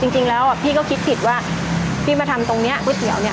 จริงแล้วอ่ะพี่ก็คิดผิดว่าพี่มาทำตรงนี้ก๋วยเตี๋ยวเนี่ย